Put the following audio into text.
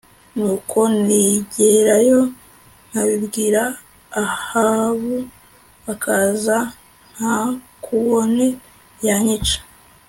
Nuko ningerayo nkabibwira Ahabu akaza ntakubone yanyica